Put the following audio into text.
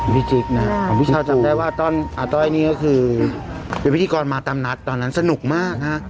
พี่ชาวจำได้ว่าอาต้อยนี่ก็คือเป็นพิธีกรมาตามนัดตอนนั้นสนุกมากนะฮะ